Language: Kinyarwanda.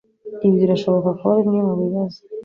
Ibi birashobora kuba bimwe mubibazo.